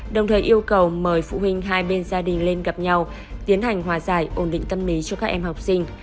đồng thời yêu cầu mời phụ huynh hai bên gia đình lên gặp nhau tiến hành hòa giải ổn định tâm lý cho các em học sinh